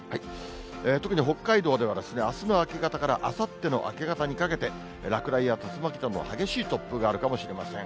特に北海道では、あすの明け方からあさっての明け方にかけて、落雷や竜巻などの激しい突風があるかもしれません。